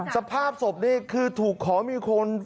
สภาพศพนี่คือถูกขอมีคน